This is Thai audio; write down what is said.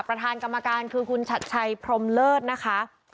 ประธานกรรมการคือคุณชัดชัยพรมเลิศนะคะ